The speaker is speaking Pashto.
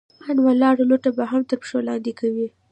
ان ولاړه لوټه به هم تر پښو لاندې کوئ!